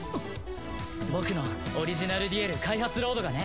僕のオリジナルデュエル開発ロードがね。